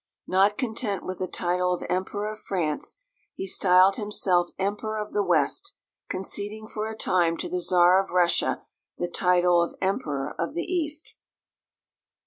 Not content with the title of Emperor of France, he styled himself Emperor of the West, conceding for a time to the Czar of Russia the title of Emperor of the East.